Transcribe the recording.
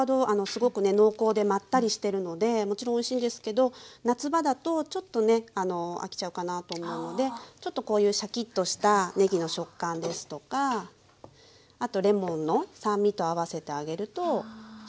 すごくね濃厚でまったりしてるのでもちろんおいしいんですけど夏場だとちょっとね飽きちゃうかなと思うのでちょっとこういうシャキッとしたねぎの食感ですとかあとレモンの酸味と合わせてあげるとすごく食べやすいと思います。